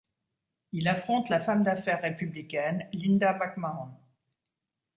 Il affronte la femme d'affaires républicaine Linda McMahon.